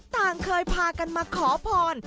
ต่างเคยพากันมาขอพร